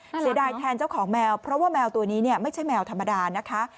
เสียดายแทนเจ้าของแมวเพราะว่าแมวตัวนี้ไม่ใช่แมวธรรมดานะคะ